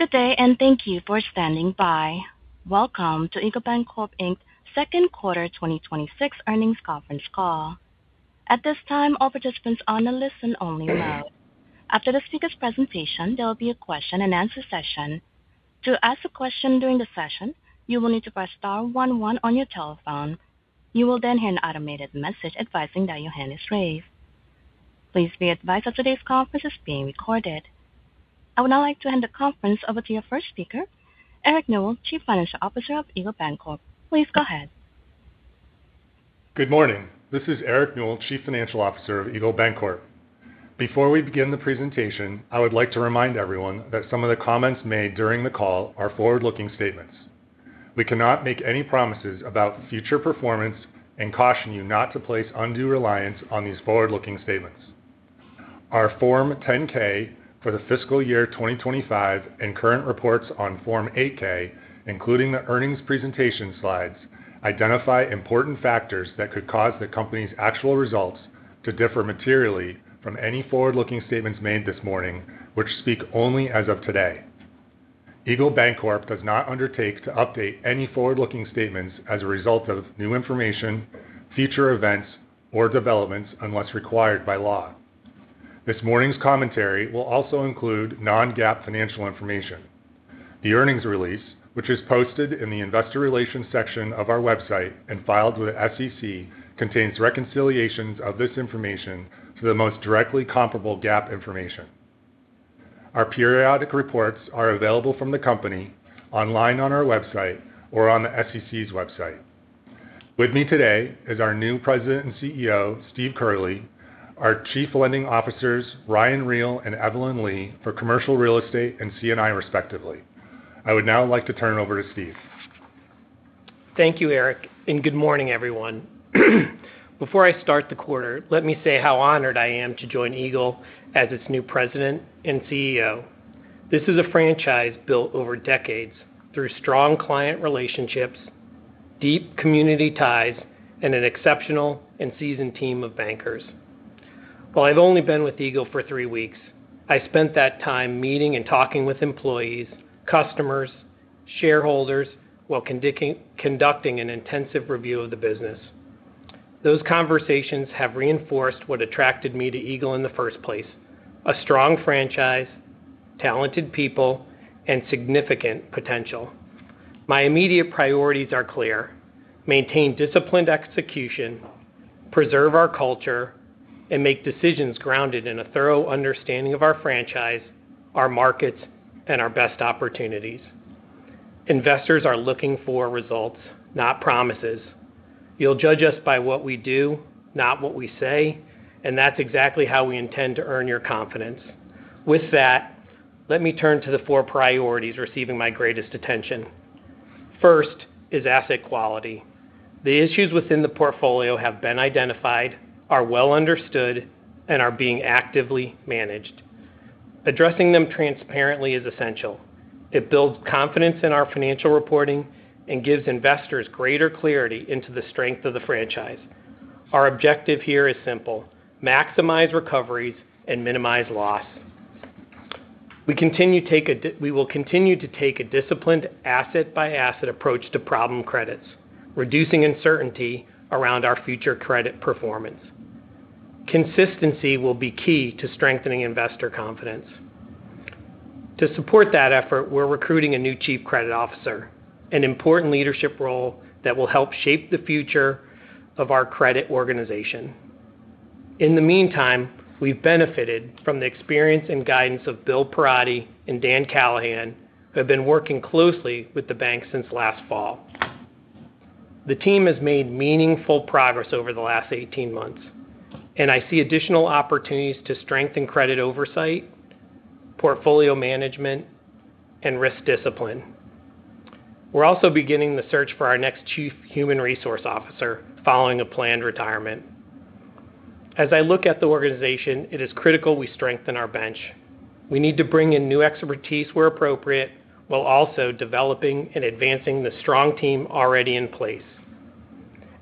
Good day and thank you for standing by. Welcome to Eagle Bancorp, Inc's second quarter 2026 earnings conference call. At this time, all participants are on a listen-only mode. After the speaker's presentation, there will be a question-and-answer session. To ask a question during the session, you will need to press star one one on your telephone. You will then hear an automated message advising that your hand is raised. Please be advised that today's conference is being recorded. I would now like to hand the conference over to your first speaker, Eric Newell, Chief Financial Officer of Eagle Bancorp. Please go ahead. Good morning. This is Eric Newell, Chief Financial Officer of Eagle Bancorp. Before we begin the presentation, I would like to remind everyone that some of the comments made during the call are forward-looking statements. We cannot make any promises about future performance and caution you not to place undue reliance on these forward-looking statements. Our Form 10-K for the fiscal year 2025 and current reports on Form 8-K, including the earnings presentation slides, identify important factors that could cause the company's actual results to differ materially from any forward-looking statements made this morning, which speak only as of today. Eagle Bancorp does not undertake to update any forward-looking statements as a result of new information, future events, or developments, unless required by law. This morning's commentary will also include non-GAAP financial information. The earnings release, which is posted in the investor relations section of our website and filed with the SEC, contains reconciliations of this information to the most directly comparable GAAP information. Our periodic reports are available from the company online on our website or on the SEC's website. With me today is our new President and CEO, Steve Curley, our Chief Lending Officers, Ryan Riel and Evelyn Lee for commercial real estate and C&I respectively. I would now like to turn it over to Steve. Thank you, Eric, and good morning, everyone. Before I start the quarter, let me say how honored I am to join Eagle as its new President and CEO. This is a franchise built over decades through strong client relationships, deep community ties, and an exceptional and seasoned team of bankers. While I've only been with Eagle for three weeks, I spent that time meeting and talking with employees, customers, shareholders, while conducting an intensive review of the business. Those conversations have reinforced what attracted me to Eagle in the first place, a strong franchise, talented people, and significant potential. My immediate priorities are clear: maintain disciplined execution, preserve our culture, and make decisions grounded in a thorough understanding of our franchise, our markets, and our best opportunities. Investors are looking for results, not promises. You'll judge us by what we do, not what we say, and that's exactly how we intend to earn your confidence. With that, let me turn to the four priorities receiving my greatest attention. First is asset quality. The issues within the portfolio have been identified, are well understood, and are being actively managed. Addressing them transparently is essential. It builds confidence in our financial reporting and gives investors greater clarity into the strength of the franchise. Our objective here is simple, maximize recoveries and minimize loss. We will continue to take a disciplined asset-by-asset approach to problem credits, reducing uncertainty around our future credit performance. Consistency will be key to strengthening investor confidence. To support that effort, we're recruiting a new Chief Credit Officer, an important leadership role that will help shape the future of our credit organization. In the meantime, we've benefited from the experience and guidance of Bill Perotti and Dan Callahan, who have been working closely with the bank since last fall. The team has made meaningful progress over the last 18 months, and I see additional opportunities to strengthen credit oversight, portfolio management, and risk discipline. We're also beginning the search for our next Chief Human Resource Officer following a planned retirement. As I look at the organization, it is critical we strengthen our bench. We need to bring in new expertise where appropriate, while also developing and advancing the strong team already in place.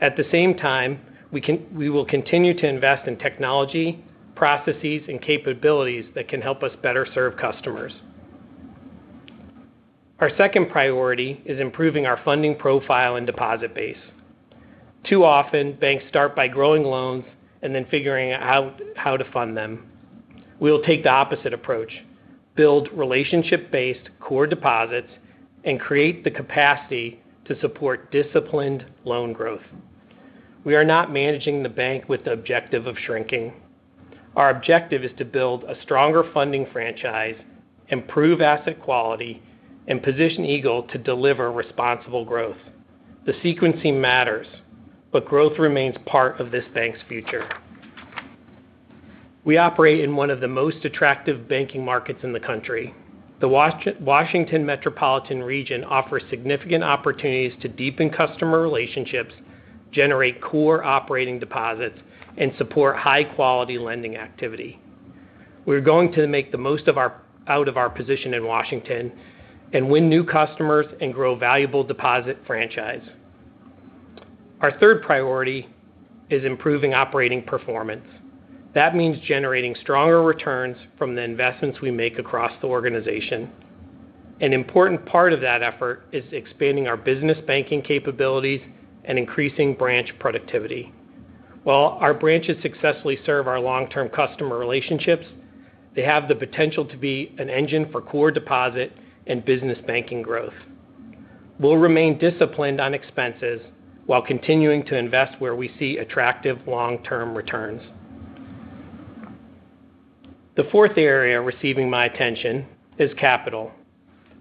At the same time, we will continue to invest in technology, processes, and capabilities that can help us better serve customers. Our second priority is improving our funding profile and deposit base. Too often, banks start by growing loans and then figuring out how to fund them. We'll take the opposite approach, build relationship-based core deposits, and create the capacity to support disciplined loan growth. We are not managing the bank with the objective of shrinking. Our objective is to build a stronger funding franchise, improve asset quality, and position Eagle to deliver responsible growth. The sequencing matters, but growth remains part of this bank's future. We operate in one of the most attractive banking markets in the country. The Washington metropolitan region offers significant opportunities to deepen customer relationships, generate core operating deposits, and support high-quality lending activity. We're going to make the most out of our position in Washington and win new customers and grow valuable deposit franchise. Our third priority is improving operating performance. That means generating stronger returns from the investments we make across the organization. An important part of that effort is expanding our business banking capabilities and increasing branch productivity. While our branches successfully serve our long-term customer relationships, they have the potential to be an engine for core deposit and business banking growth. We'll remain disciplined on expenses while continuing to invest where we see attractive long-term returns. The fourth area receiving my attention is capital.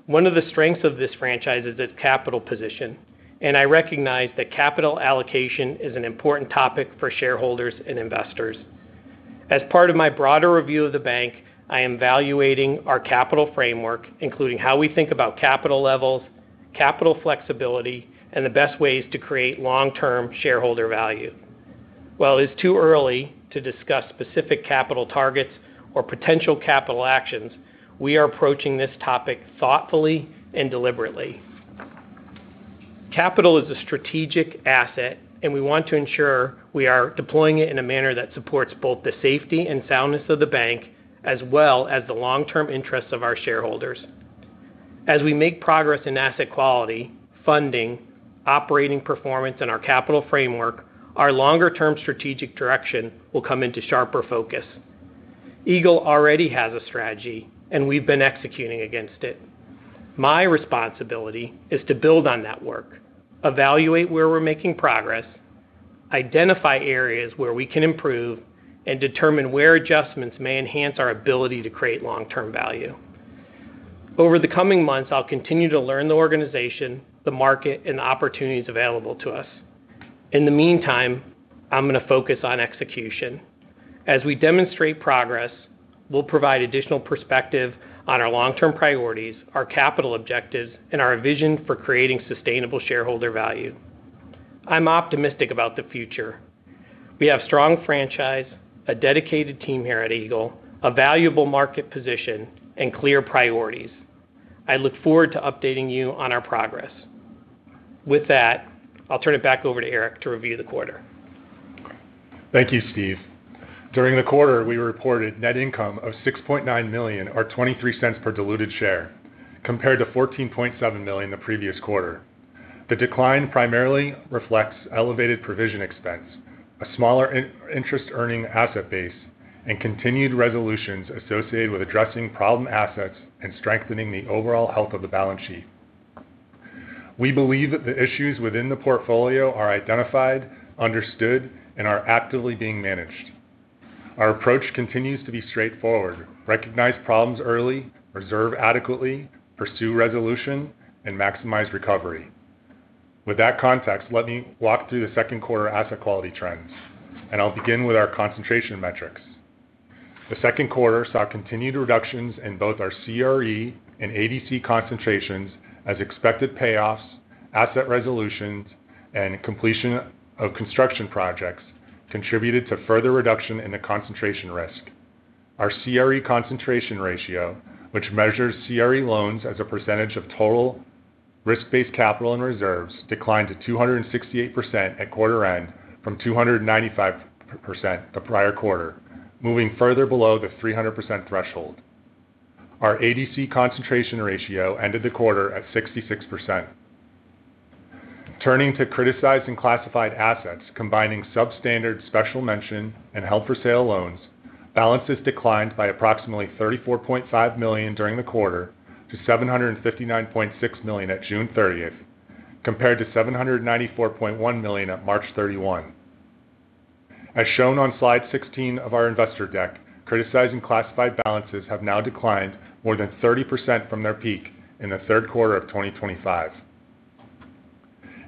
One of the strengths of this franchise is its capital position, and I recognize that capital allocation is an important topic for shareholders and investors. As part of my broader review of the bank, I am evaluating our capital framework, including how we think about capital levels, capital flexibility, and the best ways to create long-term shareholder value. While it's too early to discuss specific capital targets or potential capital actions, we are approaching this topic thoughtfully and deliberately. Capital is a strategic asset, we want to ensure we are deploying it in a manner that supports both the safety and soundness of the bank, as well as the long-term interests of our shareholders. As we make progress in asset quality, funding, operating performance, and our capital framework, our longer-term strategic direction will come into sharper focus. Eagle already has a strategy, we've been executing against it. My responsibility is to build on that work, evaluate where we're making progress, identify areas where we can improve, and determine where adjustments may enhance our ability to create long-term value. Over the coming months, I'll continue to learn the organization, the market, and the opportunities available to us. In the meantime, I'm going to focus on execution. As we demonstrate progress, we'll provide additional perspective on our long-term priorities, our capital objectives, and our vision for creating sustainable shareholder value. I'm optimistic about the future. We have a strong franchise, a dedicated team here at Eagle, a valuable market position, and clear priorities. I look forward to updating you on our progress. With that, I'll turn it back over to Eric to review the quarter. Thank you, Steve. During the quarter, we reported net income of $6.9 million, or $0.23 per diluted share, compared to $14.7 million the previous quarter. The decline primarily reflects elevated provision expense, a smaller interest-earning asset base, continued resolutions associated with addressing problem assets and strengthening the overall health of the balance sheet. We believe that the issues within the portfolio are identified, understood, are actively being managed. Our approach continues to be straightforward: recognize problems early, reserve adequately, pursue resolution, and maximize recovery. With that context, let me walk through the second quarter asset quality trends, I'll begin with our concentration metrics. The second quarter saw continued reductions in both our CRE and ADC concentrations as expected payoffs, asset resolutions, and completion of construction projects contributed to further reduction in the concentration risk. Our CRE concentration ratio, which measures CRE loans as a percentage of total risk-based capital and reserves, declined to 268% at quarter end from 295% the prior quarter, moving further below the 300% threshold. Our ADC concentration ratio ended the quarter at 66%. Turning to criticized and classified assets, combining substandard, special mention, and held-for-sale loans, balances declined by approximately $34.5 million during the quarter to $759.6 million at June 30th, compared to $794.1 million at March 31. As shown on slide 16 of our investor deck, criticized and classified balances have now declined more than 30% from their peak in the third quarter of 2025.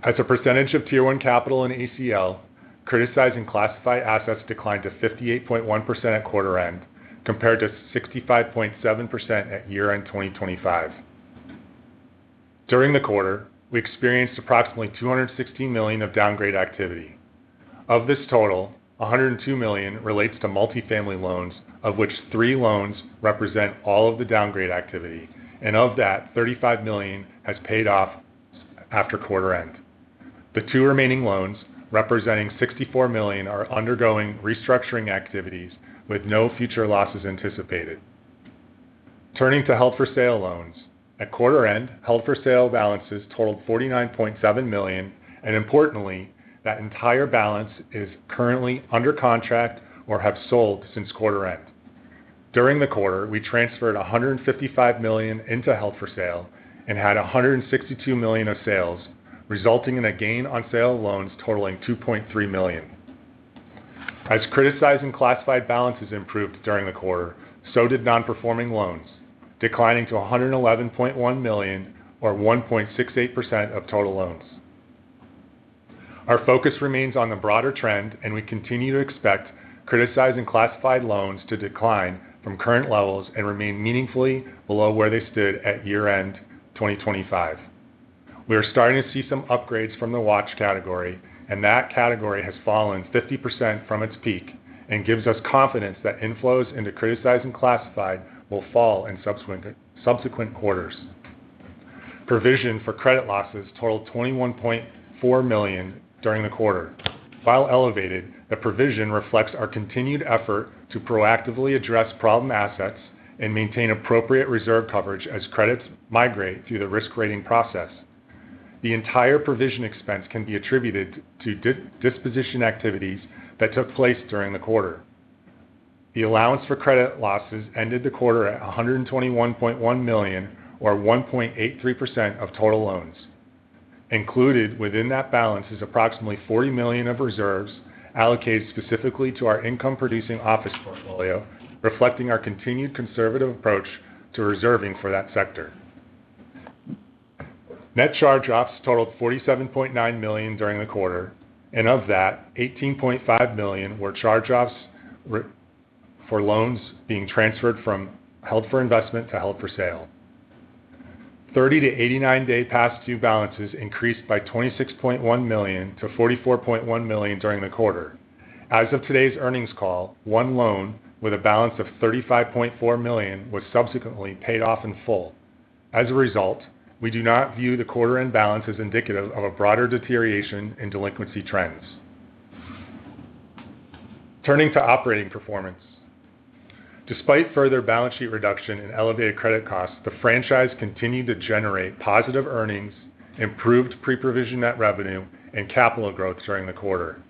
As a percentage of Tier 1 capital and ACL, criticized and classified assets declined to 58.1% at quarter end, compared to 65.7% at year-end 2025. During the quarter, we experienced approximately $216 million of downgrade activity. Of this total, $102 million relates to multifamily loans, of which three loans represent all of the downgrade activity. Of that, $35 million has paid off after quarter end. The two remaining loans, representing $64 million, are undergoing restructuring activities with no future losses anticipated. Turning to held-for-sale loans. At quarter end, held-for-sale balances totaled $49.7 million, and importantly, that entire balance is currently under contract or have sold since quarter end. During the quarter, we transferred $155 million into held for sale and had $162 million of sales, resulting in a gain on sale of loans totaling $2.3 million. As criticized and classified balances improved during the quarter, so did non-performing loans, declining to $111.1 million, or 1.68% of total loans. Our focus remains on the broader trend. We continue to expect criticized and classified loans to decline from current levels and remain meaningfully below where they stood at year end 2025. We are starting to see some upgrades from the watch category. That category has fallen 50% from its peak and gives us confidence that inflows into criticized and classified will fall in subsequent quarters. Provision for credit losses totaled $21.4 million during the quarter. While elevated, the provision reflects our continued effort to proactively address problem assets and maintain appropriate reserve coverage as credits migrate through the risk rating process. The entire provision expense can be attributed to disposition activities that took place during the quarter. The allowance for credit losses ended the quarter at $121.1 million or 1.83% of total loans. Included within that balance is approximately $40 million of reserves allocated specifically to our income-producing office portfolio, reflecting our continued conservative approach to reserving for that sector. Net charge-offs totaled $47.9 million during the quarter. Of that, $18.5 million were charge-offs for loans being transferred from held for investment to held for sale. 30-89 day past due balances increased by $26.1 million to $44.1 million during the quarter. As of today's earnings call, one loan with a balance of $35.4 million was subsequently paid off in full. As a result, we do not view the quarter-end balance as indicative of a broader deterioration in delinquency trends. Turning to operating performance. Despite further balance sheet reduction in elevated credit costs, the franchise continued to generate positive earnings, improved pre-provision net revenue, and capital growth during the quarter.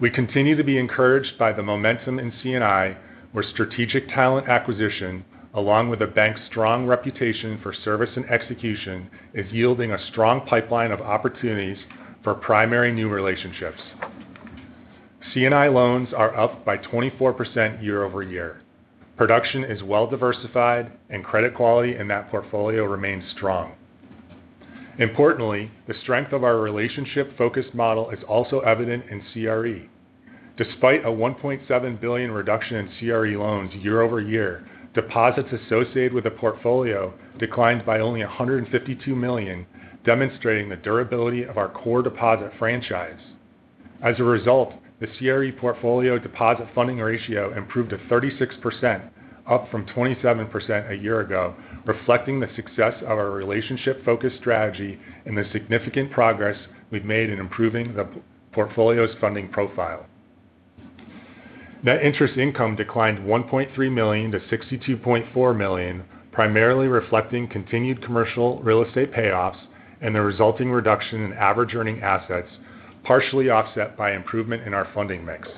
We continue to be encouraged by the momentum in C&I, where strategic talent acquisition, along with the bank's strong reputation for service and execution, is yielding a strong pipeline of opportunities for primary new relationships. C&I loans are up by 24% year-over-year. Production is well diversified. Credit quality in that portfolio remains strong. Importantly, the strength of our relationship focused model is also evident in CRE. Despite a $1.7 billion reduction in CRE loans year-over-year, deposits associated with the portfolio declined by only $152 million, demonstrating the durability of our core deposit franchise. As a result, the CRE portfolio deposit funding ratio improved to 36%, up from 27% a year ago, reflecting the success of our relationship focused strategy and the significant progress we've made in improving the portfolio's funding profile. Net interest income declined $1.3 million to $62.4 million, primarily reflecting continued commercial real estate payoffs and the resulting reduction in average earning assets, partially offset by improvement in our funding mix.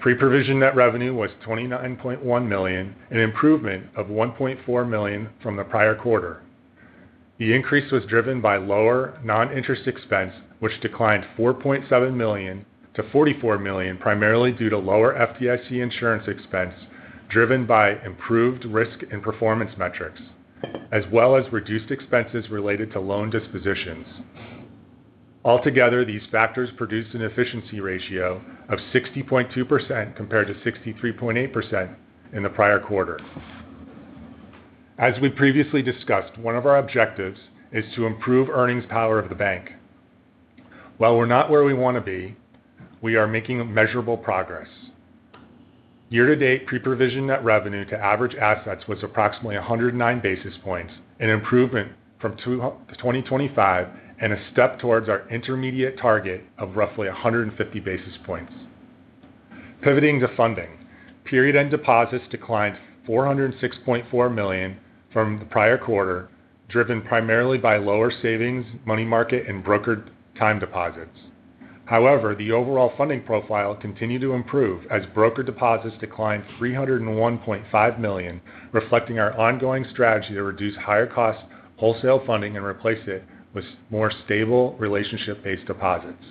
Pre-provision net revenue was $29.1 million, an improvement of $1.4 million from the prior quarter. The increase was driven by lower non-interest expense, which declined $4.7 million to $44 million primarily due to lower FDIC insurance expense driven by improved risk and performance metrics, as well as reduced expenses related to loan dispositions. Altogether, these factors produced an efficiency ratio of 60.2% compared to 63.8% in the prior quarter. As we previously discussed, one of our objectives is to improve earnings power of the bank. While we're not where we want to be, we are making measurable progress. Year to date, pre-provision net revenue to average assets was approximately 109 basis points, an improvement from 2025 and a step towards our intermediate target of roughly 150 basis points. Pivoting to funding. Period end deposits declined $406.4 million from the prior quarter, driven primarily by lower savings, money market, and brokered time deposits. However, the overall funding profile continued to improve as brokered deposits declined $301.5 million, reflecting our ongoing strategy to reduce higher cost wholesale funding and replace it with more stable relationship-based deposits.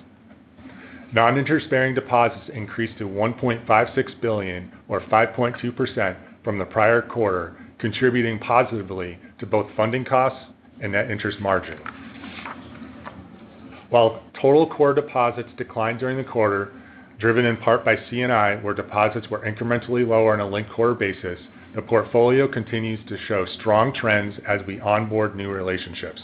Non-interest-bearing deposits increased to $1.56 billion or 5.2% from the prior quarter, contributing positively to both funding costs and net interest margin. While total core deposits declined during the quarter, driven in part by C&I, where deposits were incrementally lower on a linked-quarter basis, the portfolio continues to show strong trends as we onboard new relationships.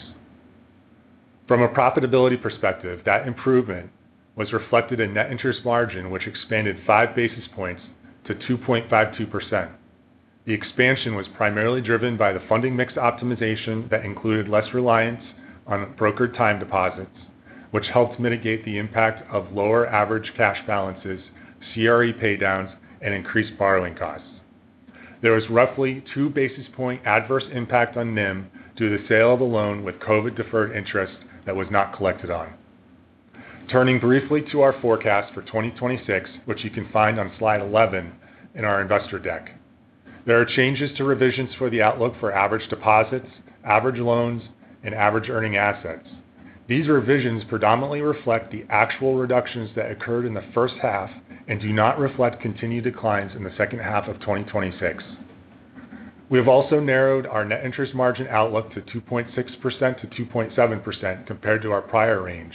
From a profitability perspective, that improvement was reflected in net interest margin, which expanded 5 basis points to 2.52%. The expansion was primarily driven by the funding mix optimization that included less reliance on brokered time deposits, which helped mitigate the impact of lower average cash balances, CRE paydowns, and increased borrowing costs. There was roughly 2 basis point adverse impact on NIM due to the sale of a loan with COVID deferred interest that was not collected on. Turning briefly to our forecast for 2026, which you can find on slide 11 in our investor deck. There are changes to revisions for the outlook for average deposits, average loans, and average earning assets. These revisions predominantly reflect the actual reductions that occurred in the first half and do not reflect continued declines in the second half of 2026. We have also narrowed our net interest margin outlook to 2.6%-2.7% compared to our prior range,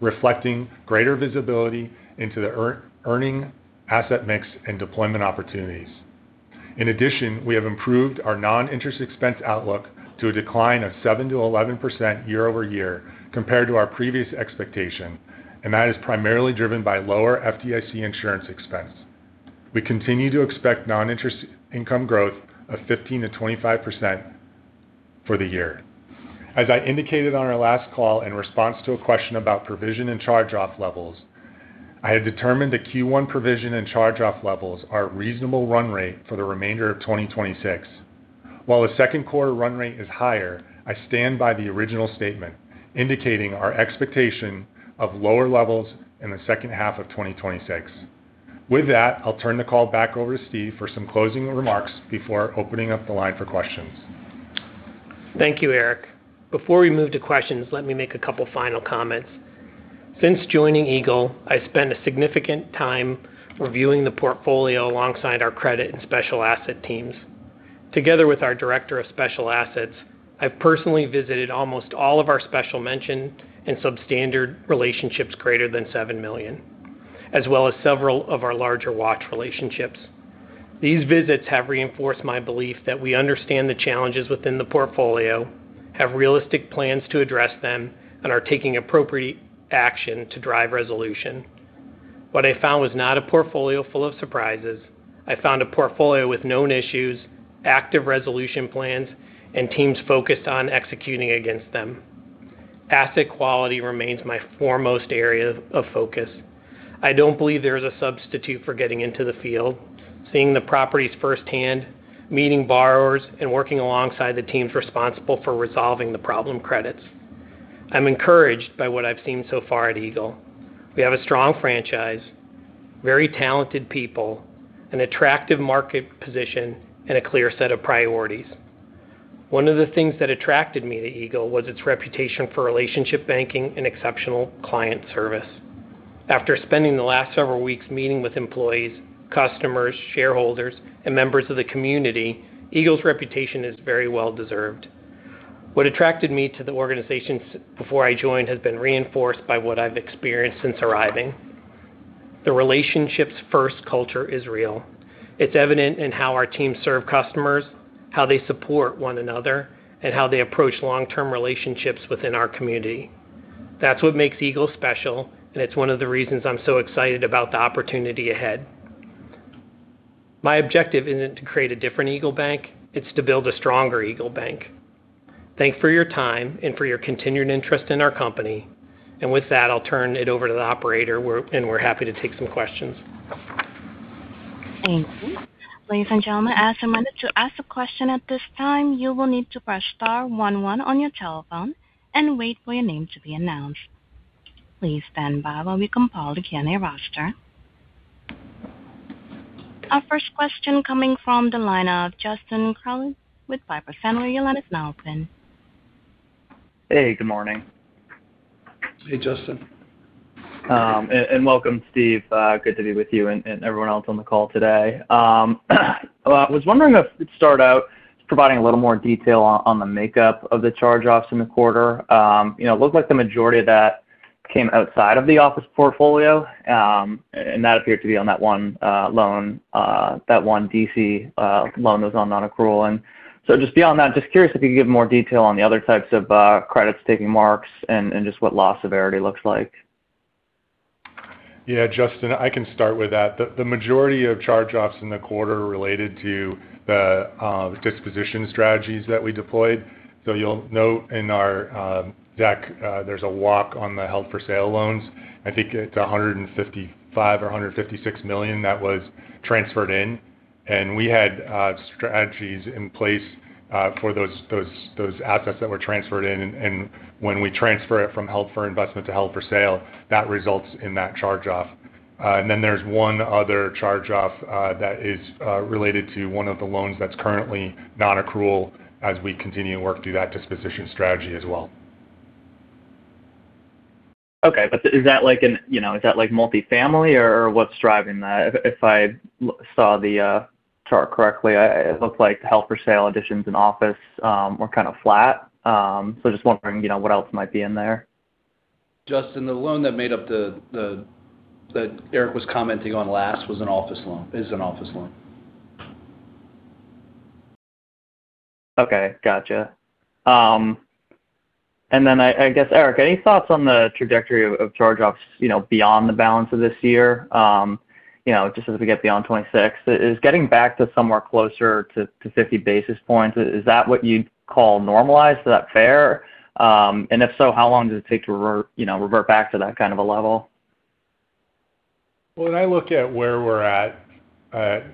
reflecting greater visibility into the earning asset mix and deployment opportunities. In addition, we have improved our non-interest expense outlook to a decline of 7%-11% year-over-year compared to our previous expectation, and that is primarily driven by lower FDIC insurance expense. We continue to expect non-interest income growth of 15%-25% for the year. As I indicated on our last call in response to a question about provision and charge-off levels, I had determined that Q1 provision and charge-off levels are a reasonable run rate for the remainder of 2026. While the second quarter run rate is higher, I stand by the original statement indicating our expectation of lower levels in the second half of 2026. With that, I'll turn the call back over to Steve for some closing remarks before opening up the line for questions. Thank you, Eric. Before we move to questions, let me make a couple final comments. Since joining Eagle, I spent a significant time reviewing the portfolio alongside our credit and special asset teams. Together with our Director of Special Assets, I've personally visited almost all of our special mention and substandard relationships greater than $7 million, as well as several of our larger watch relationships. These visits have reinforced my belief that we understand the challenges within the portfolio, have realistic plans to address them, and are taking appropriate action to drive resolution. What I found was not a portfolio full of surprises. I found a portfolio with known issues, active resolution plans, and teams focused on executing against them. Asset quality remains my foremost area of focus. I don't believe there is a substitute for getting into the field, seeing the properties firsthand, meeting borrowers, and working alongside the teams responsible for resolving the problem credits. I'm encouraged by what I've seen so far at Eagle. We have a strong franchise, very talented people, an attractive market position, and a clear set of priorities. One of the things that attracted me to Eagle was its reputation for relationship banking and exceptional client service. After spending the last several weeks meeting with employees, customers, shareholders, and members of the community, Eagle's reputation is very well deserved. What attracted me to the organization before I joined has been reinforced by what I've experienced since arriving. The relationships first culture is real. It's evident in how our teams serve customers, how they support one another, and how they approach long-term relationships within our community. That's what makes Eagle special, and it's one of the reasons I'm so excited about the opportunity ahead. My objective isn't to create a different EagleBank, it's to build a stronger EagleBank. Thank you for your time and for your continued interest in our company. With that, I'll turn it over to the operator, and we're happy to take some questions. Thank you. Ladies and gentlemen, as a reminder, to ask a question at this time, you will need to press star one one on your telephone and wait for your name to be announced. Please stand by while we compile the Q&A roster. Our first question coming from the line of Justin Crowley with Piper Sandler. Your line is now open. Hey, good morning. Hey, Justin. Welcome, Steve. Good to be with you and everyone else on the call today. I was wondering if you could start out providing a little more detail on the makeup of the charge-offs in the quarter. It looked like the majority of that came outside of the office portfolio, and that appeared to be on that one D.C. loan that was on non-accrual. Just beyond that, just curious if you could give more detail on the other types of credits taking marks and just what loss severity looks like. Justin, I can start with that. The majority of charge-offs in the quarter related to the disposition strategies that we deployed. You'll note in our deck there's a walk on the held-for-sale loans. I think it's $155 million or $156 million that was transferred in. We had strategies in place for those assets that were transferred in. When we transfer it from held for investment to held for sale, that results in that charge-off. Then there's one other charge-off that is related to one of the loans that's currently non-accrual as we continue to work through that disposition strategy as well. Okay. Is that like multifamily or what's driving that? If I saw the chart correctly, it looked like held-for-sale additions and office were kind of flat. Just wondering what else might be in there. Justin, the loan that Eric was commenting on last is an office loan. Okay. Gotcha. I guess, Eric, any thoughts on the trajectory of charge-offs beyond the balance of this year? Just as we get beyond 2026, is getting back to somewhere closer to 50 basis points, is that what you'd call normalized? Is that fair? If so, how long does it take to revert back to that kind of a level? Well, when I look at where we're at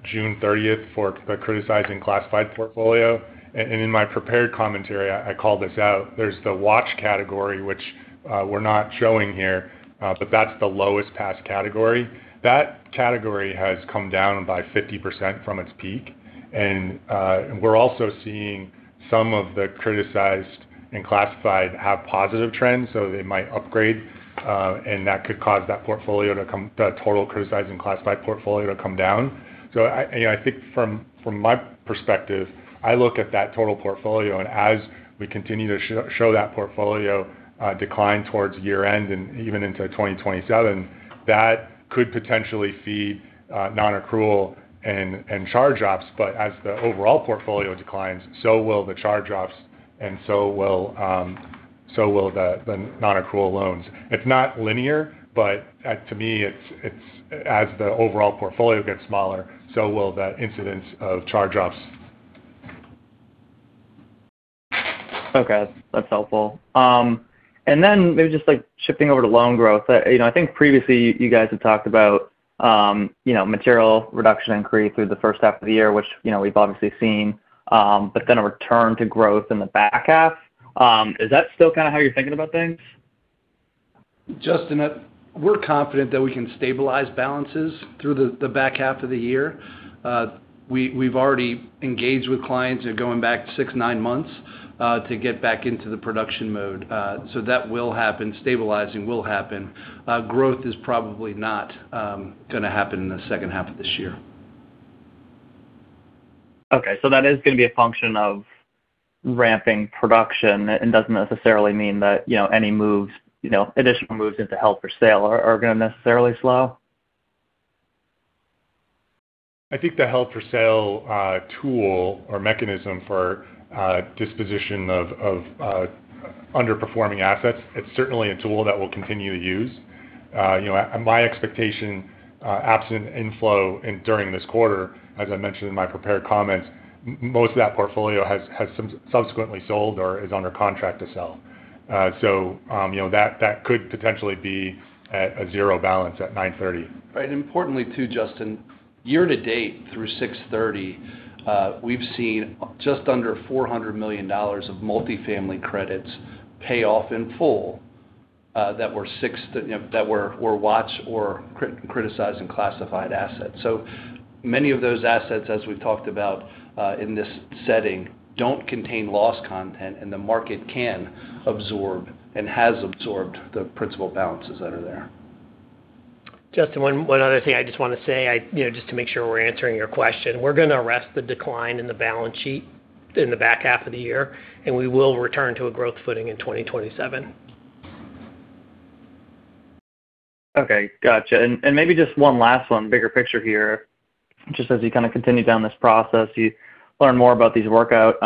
June 30th for the criticized and classified portfolio, in my prepared commentary, I call this out. There's the watch category, which we're not showing here. That's the lowest pass category. That category has come down by 50% from its peak. We're also seeing some of the criticized and classified have positive trends, so they might upgrade. That could cause that total criticized and classified portfolio to come down. I think from my perspective, I look at that total portfolio, and as we continue to show that portfolio decline towards year-end and even into 2027, that could potentially feed non-accrual and charge-offs. As the overall portfolio declines, so will the charge-offs and so will the non-accrual loans. It's not linear, but to me, as the overall portfolio gets smaller, so will that incidence of charge-offs. Okay. That's helpful. Then maybe just shifting over to loan growth. I think previously you guys had talked about material reduction in CRE through the first half of the year, which we've obviously seen, then a return to growth in the back half. Is that still kind of how you're thinking about things? Justin, we're confident that we can stabilize balances through the back half of the year. We've already engaged with clients, going back six to nine months, to get back into the production mode. That will happen. Stabilizing will happen. Growth is probably not going to happen in the second half of this year. Okay, that is going to be a function of ramping production and doesn't necessarily mean that any additional moves into held for sale are going to necessarily slow? I think the held for sale tool or mechanism for disposition of underperforming assets, it's certainly a tool that we'll continue to use. My expectation, absent inflow during this quarter, as I mentioned in my prepared comments, most of that portfolio has subsequently sold or is under contract to sell. That could potentially be at a zero balance at 9/30. Right. Importantly too, Justin, year-to-date through 6/30, we've seen just under $400 million of multifamily credits pay off in full that were watch or criticized and classified assets. Many of those assets, as we've talked about in this setting, don't contain loss content and the market can absorb and has absorbed the principal balances that are there. Justin, one other thing I just want to say just to make sure we're answering your question. We're going to arrest the decline in the balance sheet in the back half of the year, we will return to a growth footing in 2027. Okay. Got you. Maybe just one last one, bigger picture here. Just as you kind of continue down this process, you learn more about these workout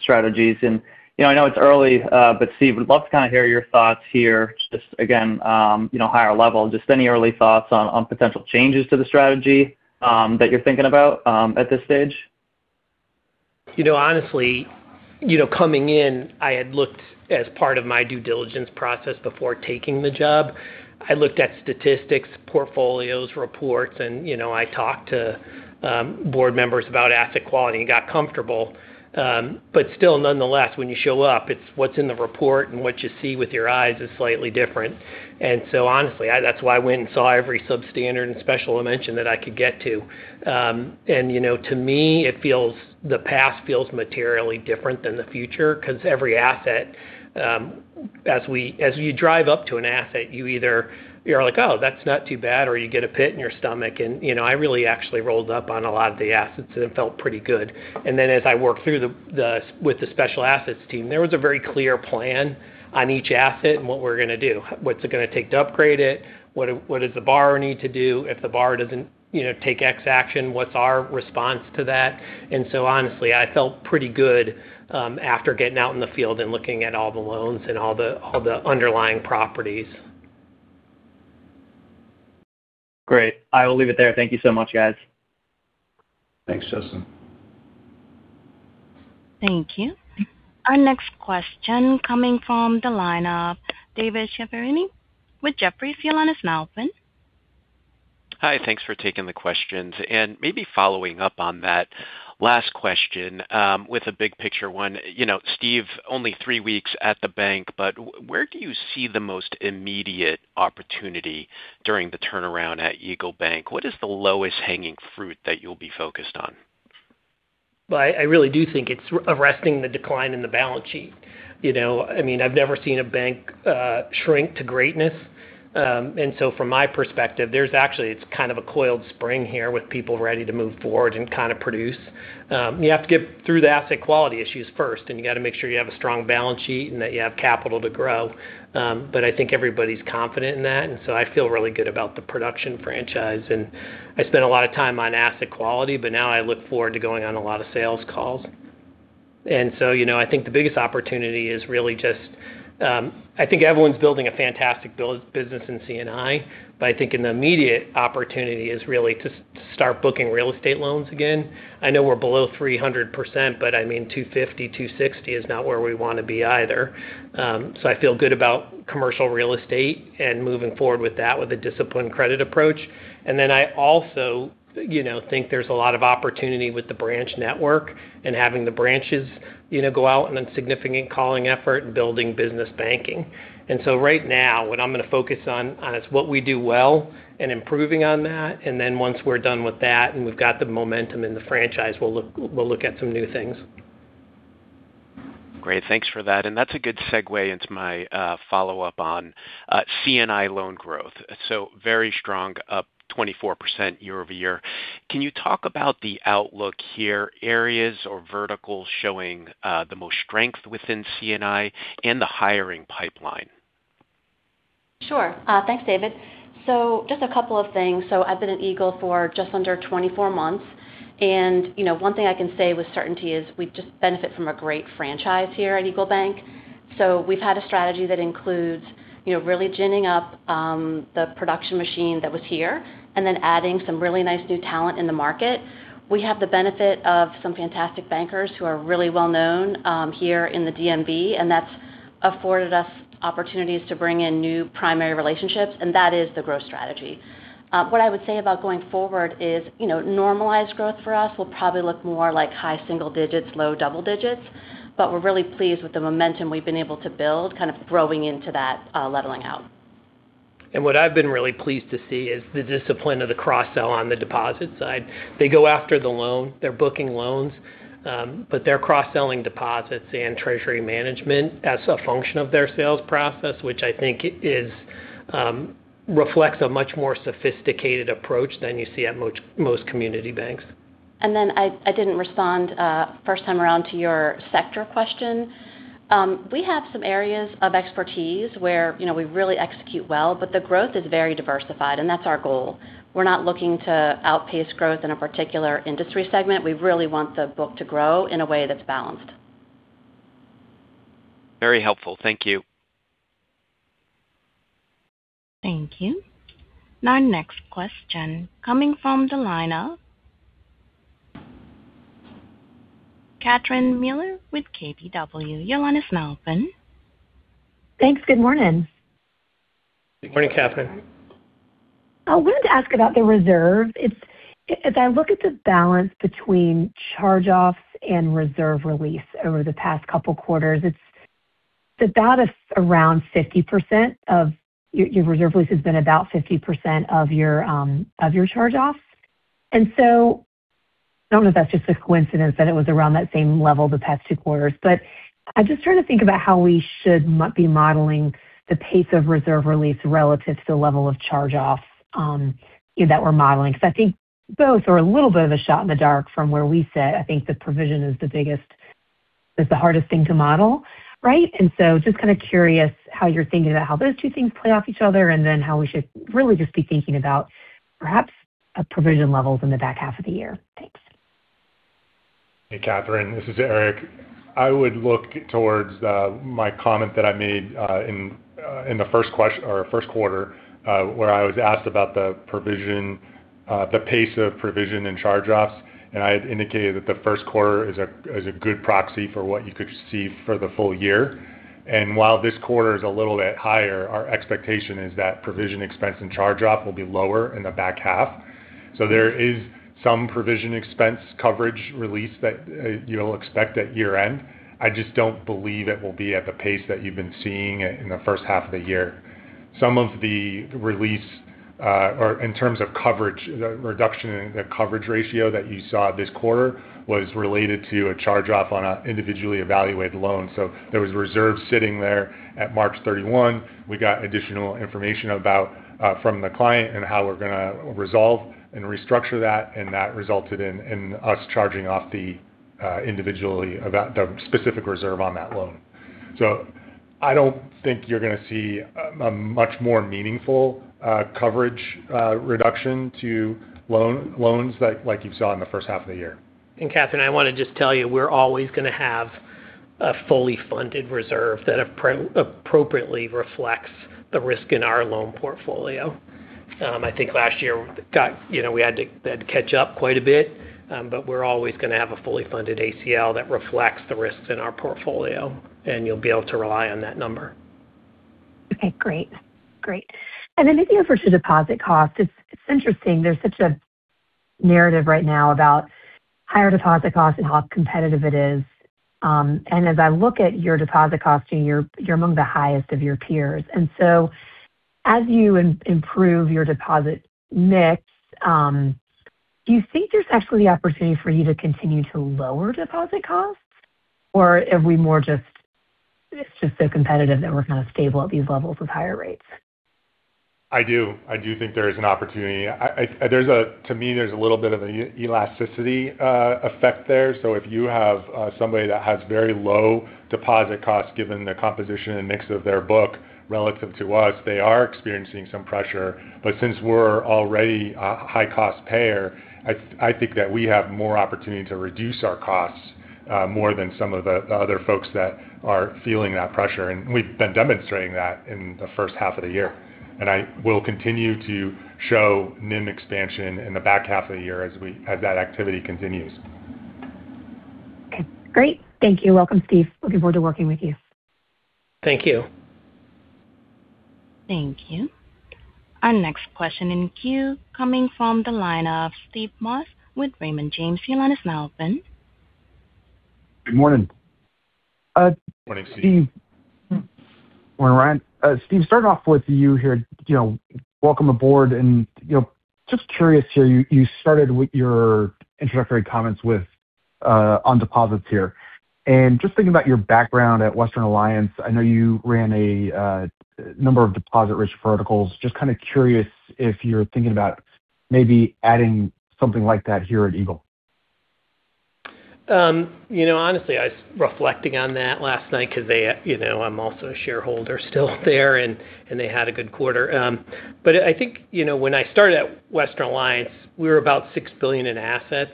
strategies. I know it's early but Steve, would love to kind of hear your thoughts here. Just again, higher level, just any early thoughts on potential changes to the strategy that you're thinking about at this stage? Honestly, coming in, I had looked as part of my due diligence process before taking the job. I looked at statistics, portfolios, reports, and I talked to board members about asset quality and got comfortable. Still, nonetheless, when you show up, it's what's in the report and what you see with your eyes is slightly different. Honestly, that's why I went and saw every substandard and special dimension that I could get to. To me, the past feels materially different than the future because every asset, as you drive up to an asset, you either are like, "Oh, that's not too bad," or you get a pit in your stomach. I really actually rolled up on a lot of the assets and it felt pretty good. As I worked through with the Special Assets team, there was a very clear plan on each asset and what we're going to do. What's it going to take to upgrade it? What does the borrower need to do? If the borrower doesn't take X action, what's our response to that? Honestly, I felt pretty good after getting out in the field and looking at all the loans and all the underlying properties. Great. I will leave it there. Thank you so much, guys. Thanks, Justin. Thank you. Our next question coming from the line of David Chiaverini with Jefferies. Your line is now open. Hi. Thanks for taking the questions. Maybe following up on that last question with a big picture one. Steve, only three weeks at the bank, where do you see the most immediate opportunity during the turnaround at EagleBank? What is the lowest hanging fruit that you'll be focused on? Well, I really do think it's arresting the decline in the balance sheet. I've never seen a bank shrink to greatness. From my perspective, there's actually, it's kind of a coiled spring here with people ready to move forward and kind of produce. You have to get through the asset quality issues first, you got to make sure you have a strong balance sheet and that you have capital to grow. I think everybody's confident in that, so I feel really good about the production franchise. I spent a lot of time on asset quality, now I look forward to going on a lot of sales calls. I think the biggest opportunity is really just, I think everyone's building a fantastic business in C&I think an immediate opportunity is really to start booking real estate loans again. I know we're below 300%, 250%, 260% is not where we want to be either. I feel good about commercial real estate and moving forward with that with a disciplined credit approach. I also think there's a lot of opportunity with the branch network and having the branches go out in a significant calling effort and building business banking. Right now, what I'm going to focus on is what we do well and improving on that. Once we're done with that and we've got the momentum in the franchise, we'll look at some new things. Great. Thanks for that. That's a good segue into my follow-up on C&I loan growth. Very strong, up 24% year-over-year. Can you talk about the outlook here, areas or verticals showing the most strength within C&I and the hiring pipeline? Sure. Thanks, David. Just a couple of things. I've been at Eagle for just under 24 months, and one thing I can say with certainty is we just benefit from a great franchise here at EagleBank. We've had a strategy that includes really ginning up the production machine that was here and then adding some really nice new talent in the market. We have the benefit of some fantastic bankers who are really well-known here in the D.M.V., and that's afforded us opportunities to bring in new primary relationships, and that is the growth strategy. What I would say about going forward is normalized growth for us will probably look more like high single digits, low double digits. We're really pleased with the momentum we've been able to build, kind of growing into that leveling out. What I've been really pleased to see is the discipline of the cross-sell on the deposit side. They go after the loan. They're booking loans. They're cross-selling deposits and treasury management as a function of their sales process, which I think reflects a much more sophisticated approach than you see at most community banks. I didn't respond first time around to your sector question. We have some areas of expertise where we really execute well, the growth is very diversified, and that's our goal. We're not looking to outpace growth in a particular industry segment. We really want the book to grow in a way that's balanced. Very helpful. Thank you. Thank you. Our next question coming from the line of Catherine Mealor with KBW. Your line is now open. Thanks. Good morning. Good morning, Catherine. I wanted to ask about the reserve. If I look at the balance between charge-offs and reserve release over the past couple quarters, your reserve release has been about 50% of your charge-offs. I don't know if that's just a coincidence that it was around that same level the past two quarters. I'm just trying to think about how we should be modeling the pace of reserve release relative to the level of charge-offs that we're modeling. I think both are a little bit of a shot in the dark from where we sit. I think the provision is the hardest thing to model. Right? Just kind of curious how you're thinking about how those two things play off each other, and then how we should really just be thinking about perhaps provision levels in the back half of the year. Thanks. Hey, Catherine. This is Eric. I would look towards my comment that I made in the first quarter where I was asked about the pace of provision and charge-offs, and I had indicated that the first quarter is a good proxy for what you could see for the full year. While this quarter is a little bit higher, our expectation is that provision expense and charge-off will be lower in the back half. There is some provision expense coverage release that you'll expect at year-end. I just don't believe it will be at the pace that you've been seeing in the first half of the year. Some of the release or in terms of the reduction in the coverage ratio that you saw this quarter was related to a charge-off on a individually evaluated loan. There was reserve sitting there at March 31. We got additional information from the client on how we're going to resolve and restructure that resulted in us charging off the specific reserve on that loan. I don't think you're going to see a much more meaningful coverage reduction to loans like you saw in the first half of the year. Catherine, I want to just tell you, we're always going to have a fully funded reserve that appropriately reflects the risk in our loan portfolio. I think last year we had to catch up quite a bit, we're always going to have a fully funded ACL that reflects the risks in our portfolio, and you'll be able to rely on that number. Okay, great. Maybe over to deposit cost. It's interesting. There's such a narrative right now about higher deposit costs and how competitive it is. As I look at your deposit costing, you're among the highest of your peers. As you improve your deposit mix, do you think there's actually opportunity for you to continue to lower deposit costs? Are we more just it's just so competitive that we're kind of stable at these levels with higher rates? I do. I do think there is an opportunity. To me, there's a little bit of an elasticity effect there. If you have somebody that has very low deposit costs given the composition and mix of their book relative to us, they are experiencing some pressure. Since we're already a high-cost payer, I think that we have more opportunity to reduce our costs more than some of the other folks that are feeling that pressure. We've been demonstrating that in the first half of the year. I will continue to show NIM expansion in the back half of the year as that activity continues. Okay, great. Thank you. Welcome, Steve. Looking forward to working with you. Thank you. Thank you. Our next question in queue coming from the line of Steve Moss with Raymond James. Your line is now open. Good morning. Morning, Steve. Morning, Ryan. Steve, starting off with you here. Welcome aboard, and just curious here, you started with your introductory comments on deposits here. Just thinking about your background at Western Alliance, I know you ran a number of deposit-rich verticals. Just kind of curious if you're thinking about maybe adding something like that here at Eagle. Honestly, I was reflecting on that last night because I'm also a shareholder still there. They had a good quarter. I think when I started at Western Alliance, we were about $6 billion in assets,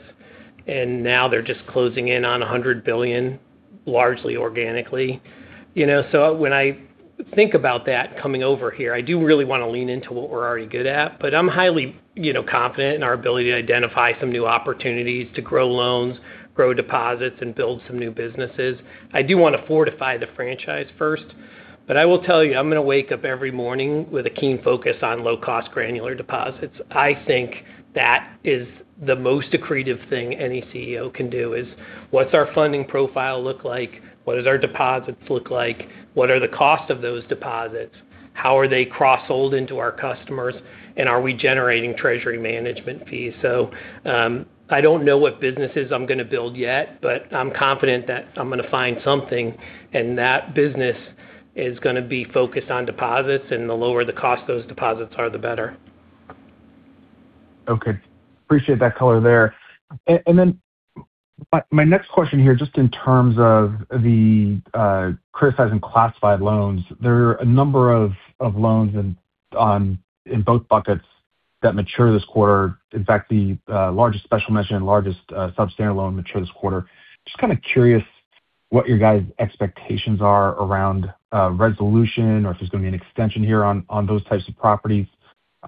and now they're just closing in on $100 billion, largely organically. When I think about that coming over here, I do really want to lean into what we're already good at. I'm highly confident in our ability to identify some new opportunities to grow loans, grow deposits, and build some new businesses. I do want to fortify the franchise first. I will tell you, I'm going to wake up every morning with a keen focus on low-cost granular deposits. I think that is the most accretive thing any CEO can do is what's our funding profile look like? What does our deposits look like? What are the cost of those deposits? How are they cross-sold into our customers? Are we generating treasury management fees? I don't know what businesses I'm going to build yet, but I'm confident that I'm going to find something, and that business is going to be focused on deposits, and the lower the cost those deposits are, the better. Okay. Appreciate that color there. My next question here, just in terms of the criticizing classified loans. There are a number of loans in both buckets that mature this quarter. In fact, the largest special mention and largest substandard loan mature this quarter. Just kind of curious what your guys' expectations are around resolution or if there's going to be an extension here on those types of properties.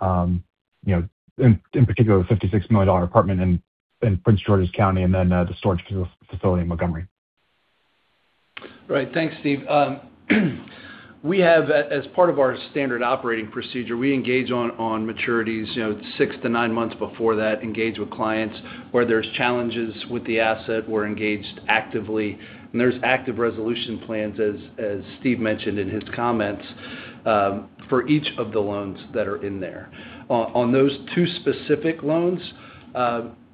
In particular, the $56 million apartment in Prince George's County, and then the storage facility in Montgomery. Right. Thanks, Steve. As part of our standard operating procedure, we engage on maturities six to nine months before that, engage with clients where there are challenges with the asset. We're engaged actively, there are active resolution plans, as Steve mentioned in his comments, for each of the loans that are in there. On those two specific loans,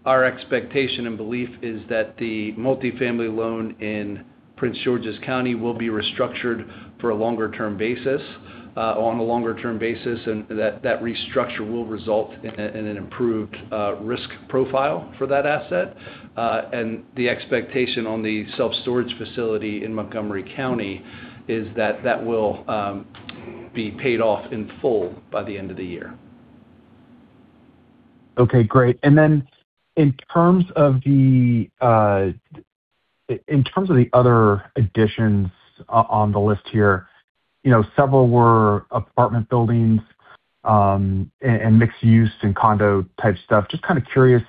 our expectation and belief is that the multifamily loan in Prince George's County will be restructured on a longer-term basis, and that restructure will result in an improved risk profile for that asset. The expectation on the self-storage facility in Montgomery County is that that will be paid off in full by the end of the year. Okay, great. In terms of the other additions on the list here, several were apartment buildings and mixed-use and condo type stuff. Just kind of curious,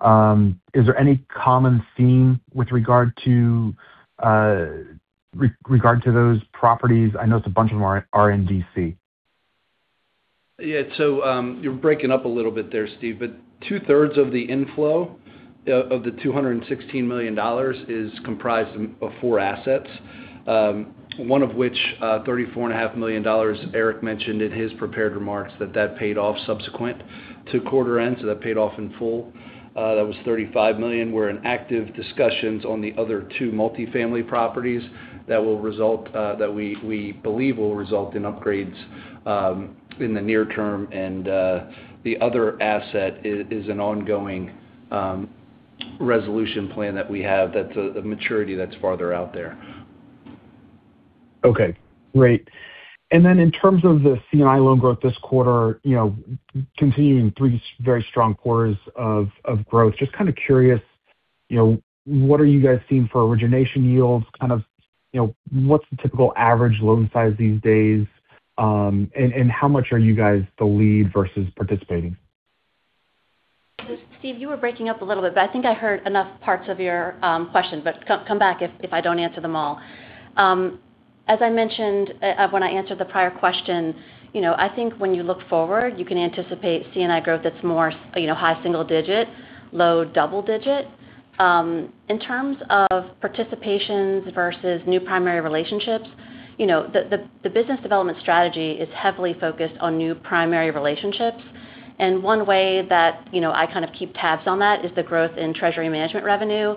is there any common theme with regard to those properties? I know it's a bunch of them are in D.C. Yeah. You're breaking up a little bit there, Steve. Two-thirds of the inflow of the $216 million is comprised of four assets. One of which, $34.5 million, Eric mentioned in his prepared remarks that paid off subsequent to quarter end. That paid off in full. That was $35 million. We're in active discussions on the other two multifamily properties that we believe will result in upgrades in the near term. The other asset is an ongoing resolution plan that we have that's a maturity that's farther out there. Okay, great. In terms of the C&I loan growth this quarter, continuing three very strong quarters of growth. Just kind of curious, what are you guys seeing for origination yields? What's the typical average loan size these days? How much are you guys the lead versus participating? Steve, you were breaking up a little bit, I think I heard enough parts of your question. Come back if I don't answer them all. As I mentioned when I answered the prior question, I think when you look forward, you can anticipate C&I growth that's more high single digit, low double digit. In terms of participations versus new primary relationships, the business development strategy is heavily focused on new primary relationships. One way that I kind of keep tabs on that is the growth in treasury management revenue.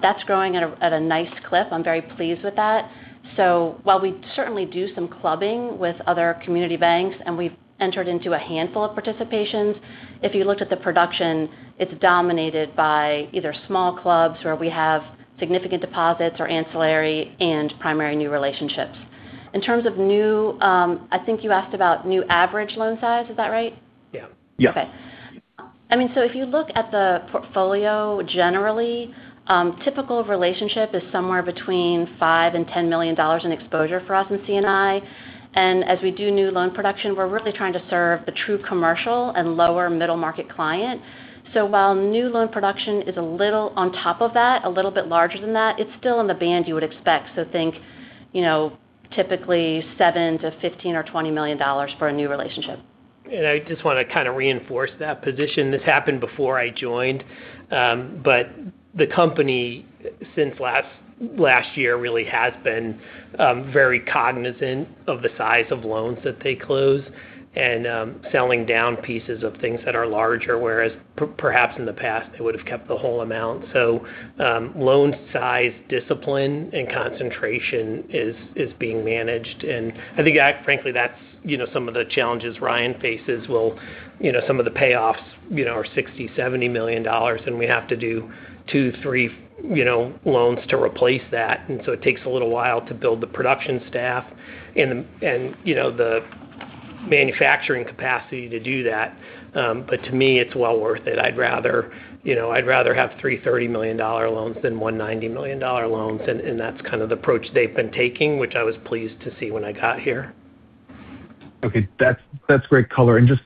That's growing at a nice clip. I'm very pleased with that. While we certainly do some clubbing with other community banks, and we've entered into a handful of participations, if you looked at the production, it's dominated by either small clubs where we have significant deposits or ancillary and primary new relationships. In terms of new, I think you asked about new average loan size, is that right? Yeah. If you look at the portfolio generally, typical relationship is somewhere between $5 million and $10 million in exposure for us in C&I. As we do new loan production, we're really trying to serve the true commercial and lower middle market client. While new loan production is a little on top of that, a little bit larger than that, it's still in the band you would expect. Think typically $7 million-$15 million or $20 million for a new relationship. I just want to kind of reinforce that position. This happened before I joined. The company since last year really has been very cognizant of the size of loans that they close and selling down pieces of things that are larger, whereas perhaps in the past, they would have kept the whole amount. Loan size discipline and concentration is being managed. I think frankly that's some of the challenges Ryan faces will some of the payoffs are $60 million, $70 million, and we have to do two, three loans to replace that. It takes a little while to build the production staff and the manufacturing capacity to do that. To me, it's well worth it. I'd rather have three $30 million loans than one $90 million loan. That's kind of the approach they've been taking, which I was pleased to see when I got here. Okay. That's great color. Just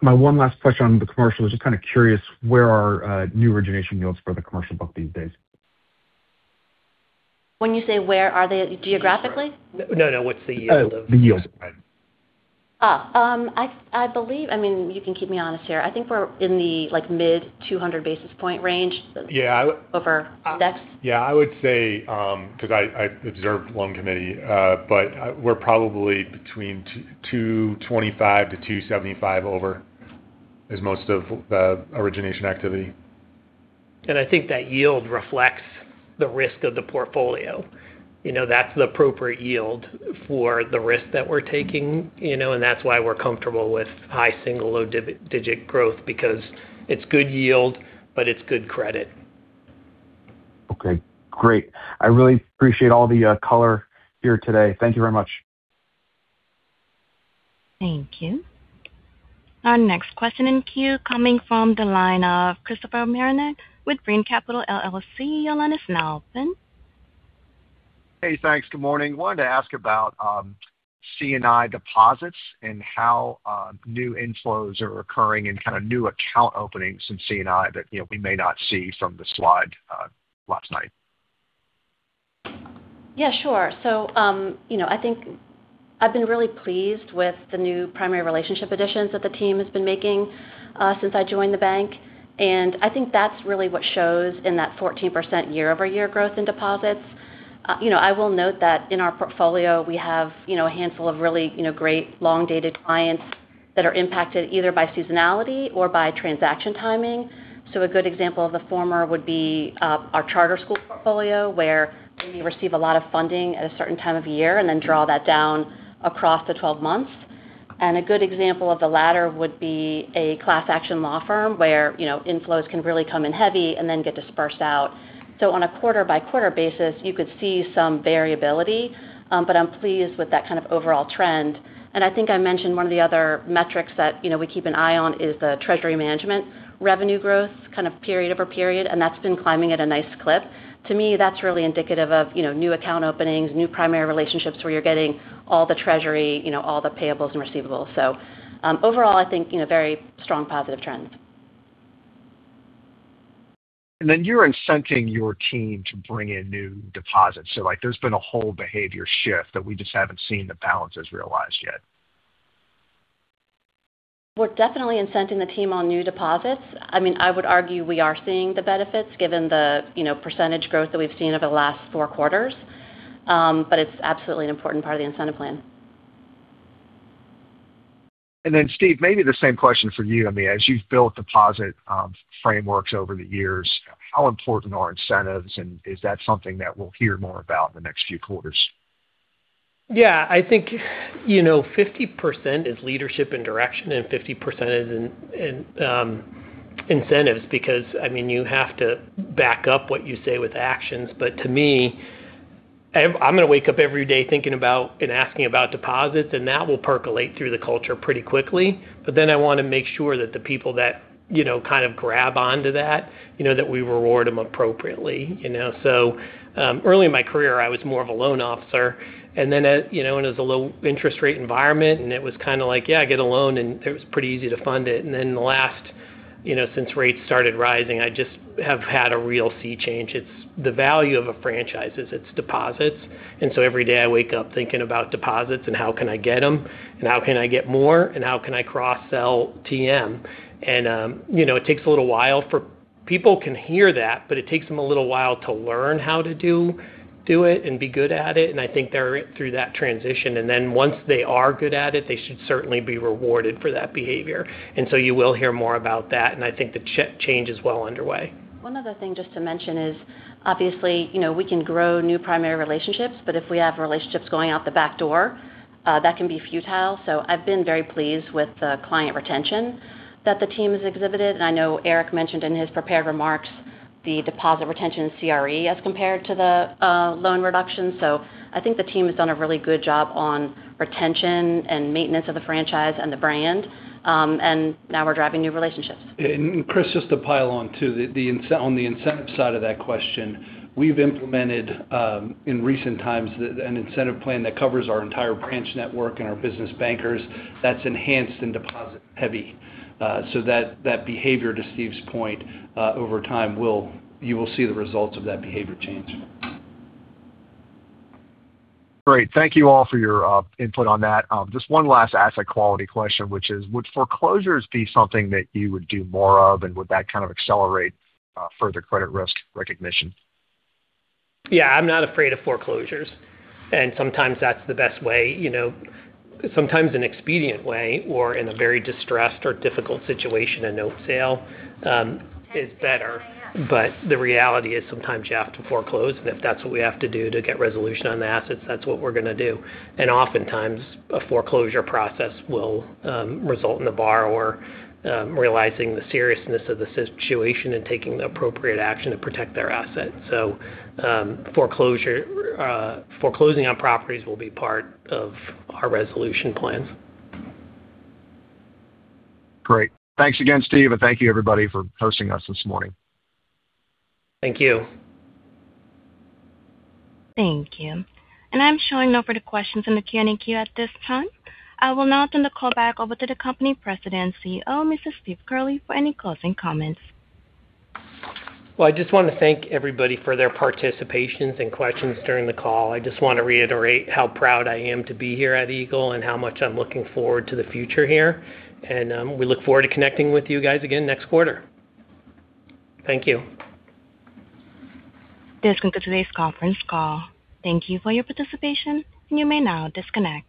my one last question on the commercial is just kind of curious, where are new origination yields for the commercial book these days? When you say where are they, geographically? No. What's the yield? The yield. I believe, you can keep me honest here. I think we're in the mid 200 basis point range. Yeah. Over. Yeah, I would say, because I observe loan committee, we're probably between 225 to 275 over is most of the origination activity. I think that yield reflects the risk of the portfolio. That's the appropriate yield for the risk that we're taking. That's why we're comfortable with high single, low digit growth because it's good yield, but it's good credit. Okay, great. I really appreciate all the color here today. Thank you very much. Thank you. Our next question in queue coming from the line of Christopher Marinac with Brean Capital, LLC. Your line is now open. Hey, thanks. Good morning. Wanted to ask about C&I deposits and how new inflows are occurring and kind of new account openings in C&I that we may not see from the slide last night. Yeah, sure. I think I've been really pleased with the new primary relationship additions that the team has been making since I joined the bank. I think that's really what shows in that 14% year-over-year growth in deposits. I will note that in our portfolio, we have a handful of really great long-dated clients that are impacted either by seasonality or by transaction timing. A good example of the former would be our charter school portfolio, where we receive a lot of funding at a certain time of year and then draw that down across the 12 months. A good example of the latter would be a class action law firm where inflows can really come in heavy and then get dispersed out. On a quarter-by-quarter basis, you could see some variability. But I'm pleased with that kind of overall trend. I think I mentioned one of the other metrics that we keep an eye on is the treasury management revenue growth kind of period over period. That's been climbing at a nice clip. To me, that's really indicative of new account openings, new primary relationships where you're getting all the treasury, all the payables and receivables. Overall, I think very strong positive trends. You're incenting your team to bring in new deposits. There's been a whole behavior shift that we just haven't seen the balances realized yet. We're definitely incenting the team on new deposits. I would argue we are seeing the benefits given the percentage growth that we've seen over the last four quarters. It's absolutely an important part of the incentive plan. Steve, maybe the same question for you. As you've built deposit frameworks over the years, how important are incentives, and is that something that we'll hear more about in the next few quarters? Yeah, I think 50% is leadership and direction, and 50% is in incentives because you have to back up what you say with actions. To me, I'm going to wake up every day thinking about and asking about deposits, and that will percolate through the culture pretty quickly. I want to make sure that the people that kind of grab onto that we reward them appropriately. Early in my career, I was more of a loan officer, and it was a low interest rate environment, and it was kind of like, yeah, get a loan, and it was pretty easy to fund it. The last, since rates started rising, I just have had a real sea change. The value of a franchise is its deposits. Every day I wake up thinking about deposits and how can I get them, and how can I get more, and how can I cross-sell TM. It takes a little while for people can hear that, but it takes them a little while to learn how to do it and be good at it. I think they're through that transition. Then once they are good at it, they should certainly be rewarded for that behavior. You will hear more about that, and I think the change is well underway. One other thing just to mention is obviously, we can grow new primary relationships, but if we have relationships going out the back door, that can be futile. I've been very pleased with the client retention that the team has exhibited. I know Eric mentioned in his prepared remarks the deposit retention CRE as compared to the loan reduction. I think the team has done a really good job on retention and maintenance of the franchise and the brand. Now we're driving new relationships. Chris, just to pile on too. On the incentive side of that question, we've implemented, in recent times, an incentive plan that covers our entire branch network and our business bankers that's enhanced and deposit-heavy. That behavior, to Steve's point, over time you will see the results of that behavior change. Great. Thank you all for your input on that. Just one last asset quality question, which is, would foreclosures be something that you would do more of, and would that kind of accelerate further credit risk recognition? I'm not afraid of foreclosures, and sometimes that's the best way. Sometimes an expedient way or in a very distressed or difficult situation, a note sale is better. The reality is sometimes you have to foreclose, and if that's what we have to do to get resolution on the assets, that's what we're going to do. Oftentimes a foreclosure process will result in the borrower realizing the seriousness of the situation and taking the appropriate action to protect their assets. Foreclosing on properties will be part of our resolution plans. Great. Thanks again, Steve. Thank you everybody for hosting us this morning. Thank you. Thank you. I'm showing no further questions in the Q&A queue at this time. I will now turn the call back over to the company President and CEO, Mr. Steve Curley, for any closing comments. Well, I just want to thank everybody for their participations and questions during the call. I just want to reiterate how proud I am to be here at Eagle and how much I'm looking forward to the future here. We look forward to connecting with you guys again next quarter. Thank you. This concludes today's conference call. Thank you for your participation, and you may now disconnect.